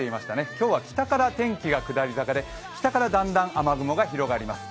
今日は北から天気が下り坂で北からだんだん雨雲が広がります。